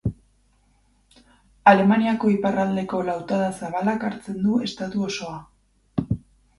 Alemaniako iparraldeko lautada zabalak hartzen du estatu osoa.